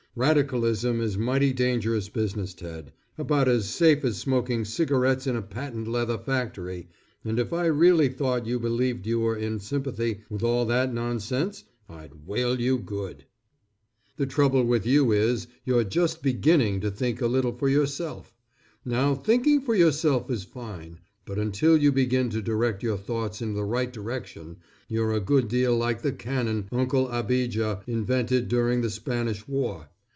Radicalism is mighty dangerous business Ted, about as safe as smoking cigarettes in a patent leather factory, and if I really thought you believed you were in sympathy with all that nonsense I'd whale you good. The trouble with you is you're just beginning to think a little for yourself. Now thinking for yourself is fine, but until you begin to direct your thoughts in the right direction you're a good deal like the cannon Uncle Abijah invented during the Spanish War.